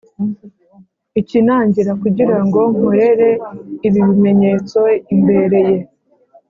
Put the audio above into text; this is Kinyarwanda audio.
Ikinangira kugira ngo nkorere ibi bimenyetso imbereye